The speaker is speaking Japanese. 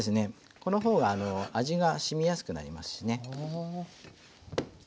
このほうが味が染みやすくなりますしね。